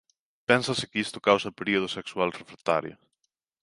Pénsase que isto causa o período sexual refractario.